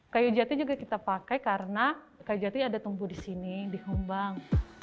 kayu jati juga kita pakai karena kayu jati ada tumbuh di sini di hombang